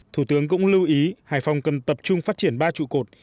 thủ tướng cũng lưu ý hải phòng cần tập trung phát triển ba trụ cột